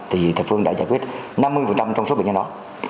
thì thập phương đã giải quyết năm mươi trong số bệnh nhân đó